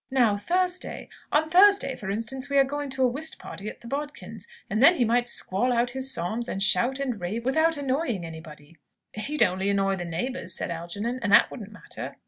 "Now Thursday on Thursday, for instance, we are going to a whist party, at the Bodkins', and then he might squall out his psalms, and shout, and rave, without annoying anybody." "He'd only annoy the neighbours," said Algernon, "and that wouldn't matter!"